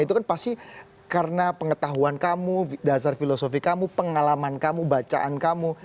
itu kan pasti karena pengetahuan kamu dasar filosofi kamu pengalaman kamu bacaan kamu